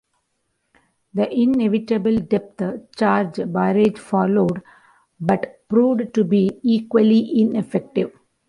The inevitable depth charge barrage followed, but proved to be equally ineffective.